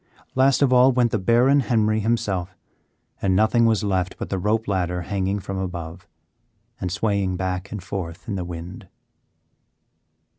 Last of all went the Baron Henry himself, and nothing was left but the rope ladder hanging from above, and swaying back and forth in the wind.